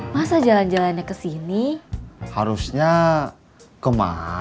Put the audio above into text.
masa jalan jalannya kesini harusnya kemana